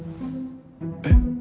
えっ？